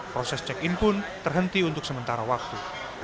proses check in pun terhenti untuk sementara waktu